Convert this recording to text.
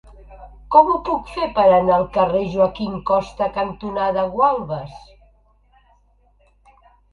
Com ho puc fer per anar al carrer Joaquín Costa cantonada Gualbes?